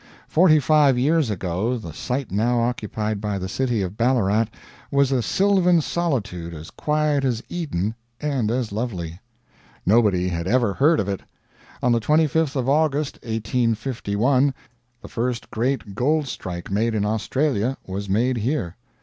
Forty five years ago the site now occupied by the City of Ballarat was a sylvan solitude as quiet as Eden and as lovely. Nobody had ever heard of it. On the 25th of August, 1851, the first great gold strike made in Australia was made here.